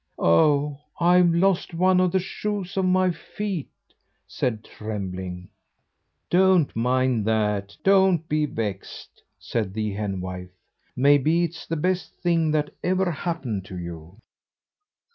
"Oh! I've lost one of the shoes off my feet," said Trembling. "Don't mind that; don't be vexed," said the henwife; "maybe it's the best thing that ever happened to you."